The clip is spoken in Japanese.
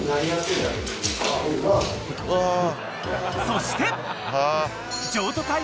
［そして］